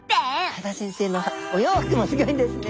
前田先生のお洋服もすギョいんですね